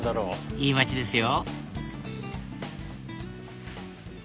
いい街ですよ